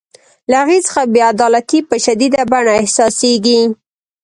له هغې څخه بې عدالتي په شدیده بڼه احساسیږي.